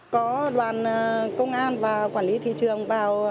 có đoàn công an và quản lý thị trường